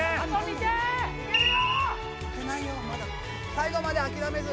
最後まで諦めず！